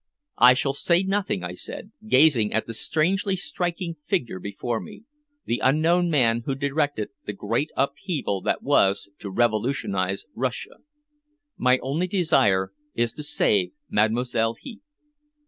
"I shall say nothing," I said, gazing at the strangely striking figure before me the unknown man who directed the great upheaval that was to revolutionize Russia. "My only desire is to save Mademoiselle Heath."